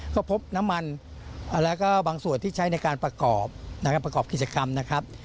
ก็พบน้ำมันและบางส่วนที่ใช้ในการประกอบกิจกรรมนะครับ